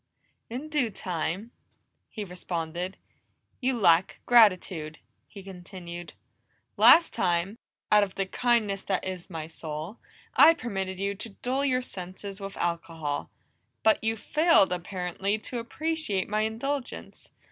"In due time," he responded. "You lack gratitude," he continued. "Last time, out of the kindness that is my soul, I permitted you to dull your senses with alcohol, but you failed, apparently, to appreciate my indulgence.